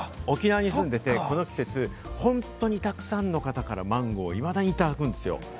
沖縄に住んでてこの季節、本当にたくさんの方からマンゴーをいまだにいただくんですよ。